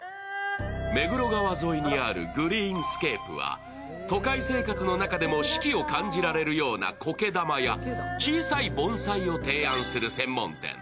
目黒川沿いにあるグリーンスケープは都会生活の中でも四季を感じられるようなこけ玉や小さい盆栽を提案する専門店。